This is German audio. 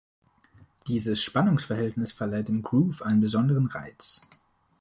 Dieses Spannungsverhältnis verleiht dem Groove einen besonderen Reiz.